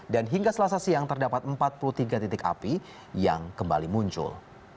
dan hingga selasa siang terdapat empat puluh tiga titik api yang kembali muncul